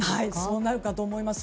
そうなるかと思います。